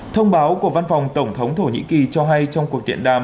thông báo của văn phòng tổng thống thổ nhĩ kỳ cho hay trong cuộc điện đàm